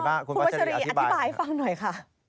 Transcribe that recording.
บ๊วยเชียร์อธิบายให้ฟังหน่อยค่ะ